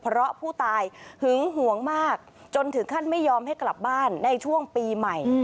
เพราะผู้ตายหึงหวงมากจนถึงขั้นไม่ยอมให้กลับบ้านในช่วงปีใหม่